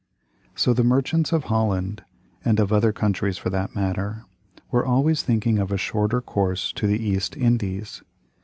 So the merchants of Holland, and of other countries for that matter, were always thinking of a shorter course to the East Indies.